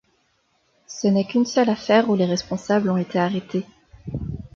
Ce n'est qu'une seule affaire où les responsables ont été arrêtés.